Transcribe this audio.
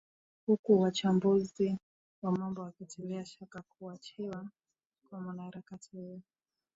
huku wachambuzi wa mambo wakitilia shaka kuachiwa kwa mwanaharakati huyo